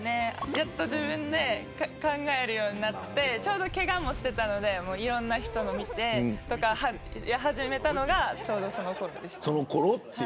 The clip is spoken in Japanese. やっと自分で考えるようになってちょうどけがもしていたのでいろんな人のを見てとか始めたのがちょうど、そのころでした。